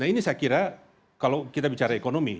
nah ini saya kira kalau kita bicara ekonomi